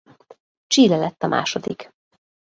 Chile lett a második.